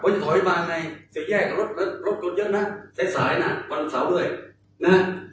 ตอนที่ชนทางแรก